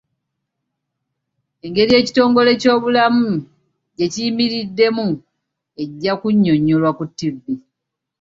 Engeri ekitongole ky'ebyobulamu gye kiyimiriddemu ejja kunyonnyolwa ku TV.